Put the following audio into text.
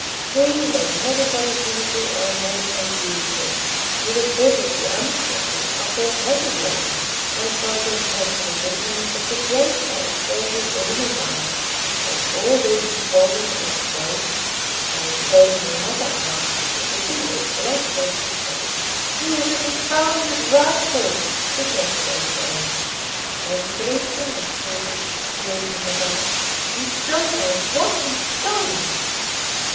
He had had his opportunity, and had misused it. He was perfectly unconscious of that happy blow, and was in absolute ignorance of the great fact that his enemy's eye was already swollen and closed, and that in another hour it would be as black as his hat. "He is a con founded rascal!" ejaculated Eames, as the policemen and porters hauled him about. "You don't know what he's done."